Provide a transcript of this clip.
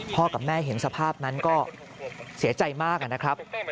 กับแม่เห็นสภาพนั้นก็เสียใจมากนะครับ